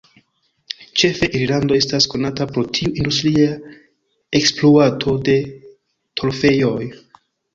Ĉefe Irlando estas konata pro tiu industria ekspluato de torfejoj.